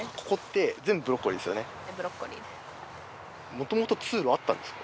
もともと通路あったんですか？